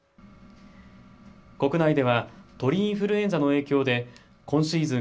国内では鳥インフルエンザの影響で今シーズン